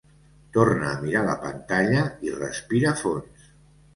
Torna a mirar la pantalla i respira fons.